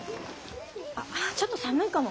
ちょっと寒いかも。